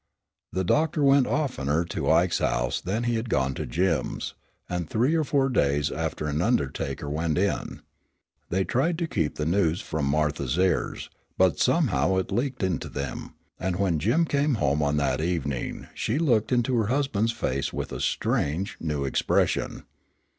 The doctor went oftener to Ike's house than he had gone to Jim's, and three or four days after an undertaker went in. They tried to keep the news from Martha's ears, but somehow it leaked into them, and when Jim came home on that evening she looked into her husband's face with a strange, new expression.